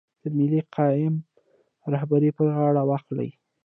د ملي قیام رهبري پر غاړه واخلي.